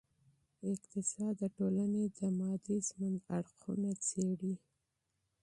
اقتصاد د ټولني د مادي ژوند اړخونه څېړي.